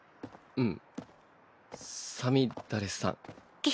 うん。